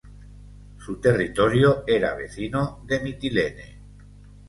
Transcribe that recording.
Su territorio era vecino de Mitilene.